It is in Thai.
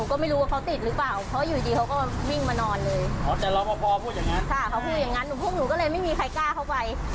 ค่ะเขาพูดอย่างนั้นหนูพวกหนูก็เลยไม่มีใครกล้าเข้าไป